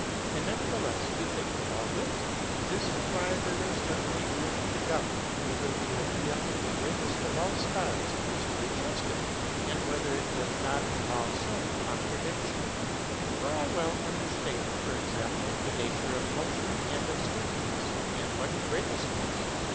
And nevertheless we think of all this. This is why there is certainly room to doubt whether the idea of the greatest of all stars is to be trusted and whether it does not involve some contradiction ; for I well under stand, for example, the nature of motion and of swiftness, and what greatest is.